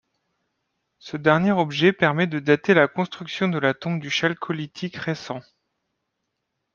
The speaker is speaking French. Ce dernier objet permet de dater la construction de la tombe du Chalcolithique récent.